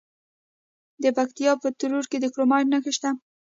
د پکتیکا په تروو کې د کرومایټ نښې شته.